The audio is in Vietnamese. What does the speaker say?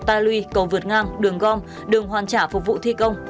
ta lui cầu vượt ngang đường gom đường hoàn trả phục vụ thi công